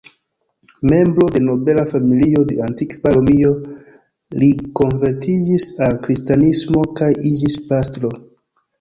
Membro de nobela familio de antikva Romio, li konvertiĝis al kristanismo kaj iĝis pastro.